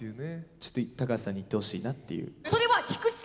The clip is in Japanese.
ちょっと橋さんに言ってほしいなっていう。